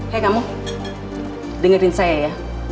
hei kamu dengerin saya ya